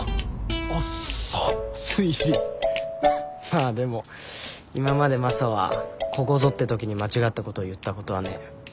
まあでも今までマサはここぞって時に間違ったことを言ったことはねえ。